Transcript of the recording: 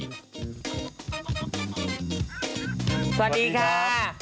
สวัสดีครับ